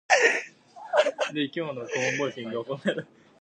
It is located on London Circuit, in Civic in the centre of the city.